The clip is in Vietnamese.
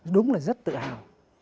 đúng là rất tự hào